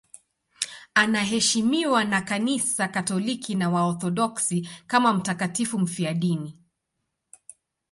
Anaheshimiwa na Kanisa Katoliki na Waorthodoksi kama mtakatifu mfiadini.